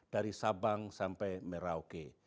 dari sabang sampai merauke